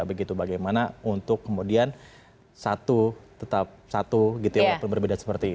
begitu bagaimana untuk kemudian satu tetap satu gitu ya walaupun berbeda seperti itu